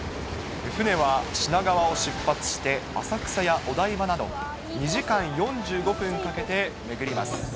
船は品川を出発して、浅草やお台場など、２時間４５分かけて巡ります。